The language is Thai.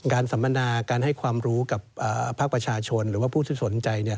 สัมมนาการให้ความรู้กับภาคประชาชนหรือว่าผู้ที่สนใจ